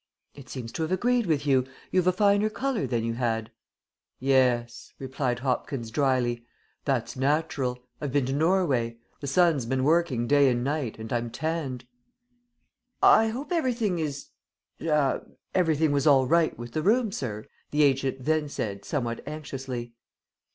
"It seems to have agreed with you, you've a finer colour than you had." "Yes," replied Hopkins, drily. "That's natural. I've been to Norway. The sun's been working day and night, and I'm tanned." "I hope everything is er everything was all right with the room, sir?" the agent then said somewhat anxiously.